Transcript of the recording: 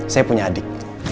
saya punya adik